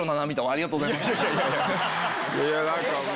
ありがとうございます。